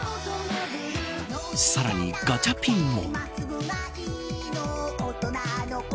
さらにガチャピンも。